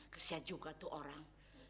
kesian juga tuh orang